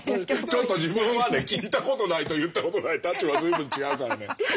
ちょっと自分はね聞いたことないと言ったことない立場は随分違うからね。